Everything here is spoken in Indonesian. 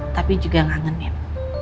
tapi juga ngangenin